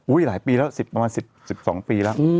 อุ้ยหลายปีแล้วสิบประมาณสิบสองปีแล้ว